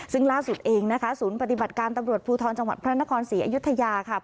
ซึ่งล่าสุดเองนะคะศูนย์ปฏิบัติการตำรวจภูทรจังหวัดพระนครศรีอยุธยาค่ะ